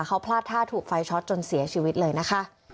เขาพลาดท่าถูกไฟช็อตจนเสียชีวิตเลยนะคะ